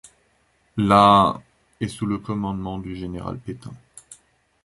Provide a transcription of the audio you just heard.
La est sous le commandement du général Pétain.